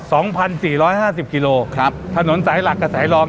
สองพันสี่ร้อยห้าสิบกิโลครับถนนสายหลักกับสายรอง